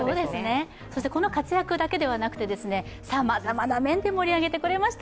この活躍だけではなくてさまざまな面で盛り上げてくれました。